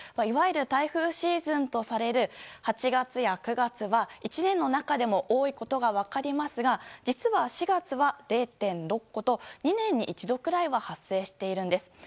いわゆる台風シーズンとされる８月や９月は１年の中でも多いことが分かりますが実は４月は０．６個と２年に一度くらいは発生しているんです。